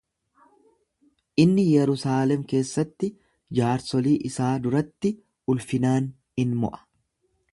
Inni Yerusaalem keessatti jaarsolii isaa duratti ulfinaan in mo'a.